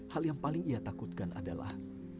hal yang paling ia takutkan adalah